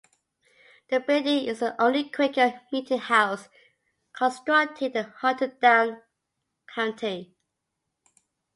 The building is the only Quaker meeting house constructed in Hunterdon County.